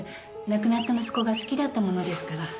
亡くなった息子が好きだったものですから。